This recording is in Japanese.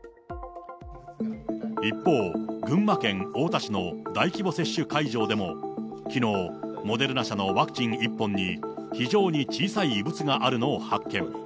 一方、群馬県太田市の大規模接種会場でもきのう、モデルナ社のワクチン１本に、非常に小さい異物があるのを発見。